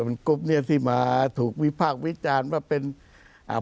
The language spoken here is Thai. เป็นกรุ๊ปเนี้ยที่มาถูกวิพากษ์วิจารณ์ว่าเป็นอ่า